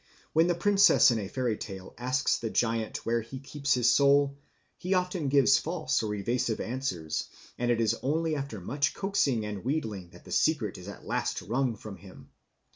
When the princess in the fairy tale asks the giant where he keeps his soul, he often gives false or evasive answers, and it is only after much coaxing and wheedling that the secret is at last wrung from him.